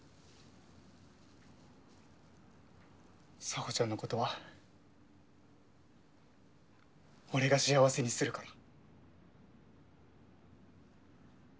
沙帆ちゃんのことは俺が幸せにするから。